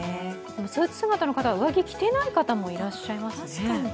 スーツ姿の方は上着、着てない方もいらっしゃいますね。